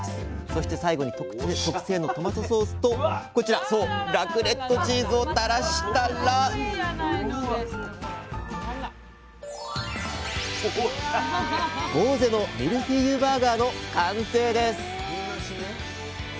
そして最後に特製のトマトソースとこちらラクレットチーズをたらしたら「ぼうぜのミルフィーユバーガー」の完成です！